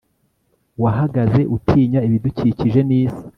wahagaze utinya ibidukikije n'isi